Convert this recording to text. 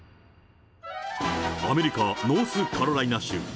アメリカ・ノースカロライナ州。